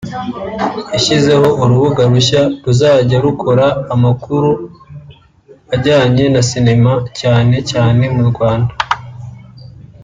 yashyizeho urubuga rushya ruzajya rukora amakuru ajyanye na cinema cyane cyane mu Rwanda